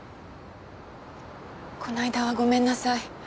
こないだはごめんなさい。